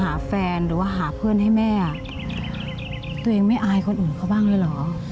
หาแฟนหรือว่าหาเพื่อนให้แม่ตัวเองไม่อายคนอื่นเขาบ้างเลยเหรอ